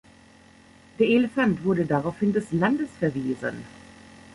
Der Elefant wurde daraufhin des Landes verwiesen.